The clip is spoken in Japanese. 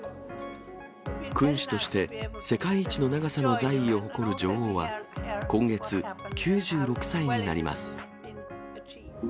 君主として世界一の長さの在位を誇る女王は、今月、９６歳になります。